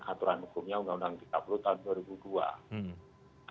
aturan hukumnya undang undang tiga puluh tahun dua ribu dua